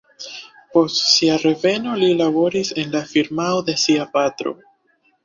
Post sia reveno li laboris en la firmao de sia patro.